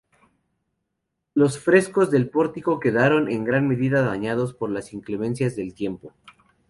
Los frescos del pórtico quedaron en gran medida dañados por las inclemencias del tiempo.